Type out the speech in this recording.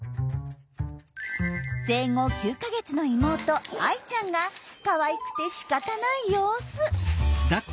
生後９か月の妹藍衣ちゃんがかわいくてしかたない様子。